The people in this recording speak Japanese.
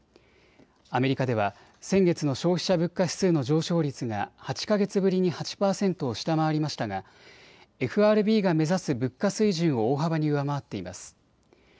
アメリカでは先月の消費者物価指数の上昇率が８か月ぶりに８％を下回りましたがＦＲＢが目指す物価水準を大幅に上回っています。